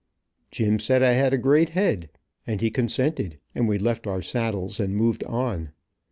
Jim said I had a great head, and he consented, and we left our saddles and moved on.